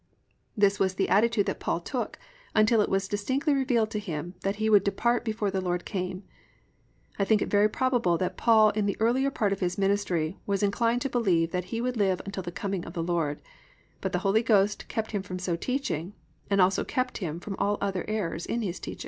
This was the attitude that Paul took until it was distinctly revealed to him that he would depart before the Lord came. I think it very probable that Paul in the earlier part of his ministry was inclined to believe that he would live until the coming of the Lord, but the Holy Ghost kept him from so teaching, and also kept him from all other errors in his teachings.